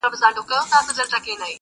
تېرېدل د سلطان مخي ته پوځونه؛